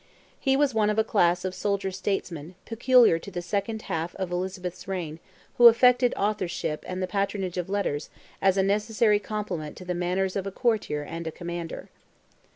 He was one of a class of soldier statesmen, peculiar to the second half of Elizabeth's reign, who affected authorship and the patronage of letters as a necessary complement to the manners of a courtier and commander.